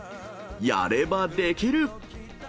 やればできる！